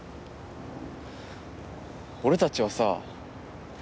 俺たちはさ